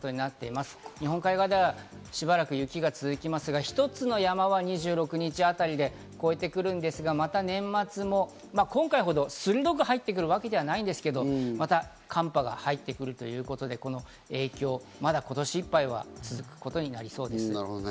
日本海側ではしばらく雪が続きますが、一つの山は２６日あたりで超えてくるんですが、年末も今回ほど鋭く入ってくるわけではないですが、また寒波が入ってくるということでこの影響、まだ今年いっぱいは続くことになりそうです。